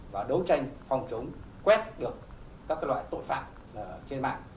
và đấu tranh phòng chống quét được các loại tội phạm trên mạng